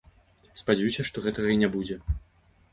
Спадзяюся, што гэтага і не будзе.